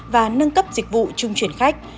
và nâng cấp dịch vụ trung chuyển khách